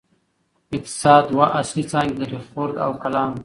اقتصاد دوه اصلي څانګې لري: خرد او کلان.